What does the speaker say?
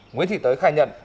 nguyễn thị tới khai nhận